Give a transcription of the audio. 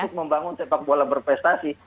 untuk membangun sepak bola berprestasi